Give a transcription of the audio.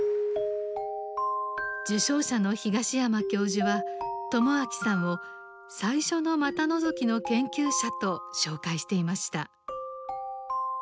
受賞者の東山教授は知彰さんを「最初の股のぞきの研究者」と紹介していました。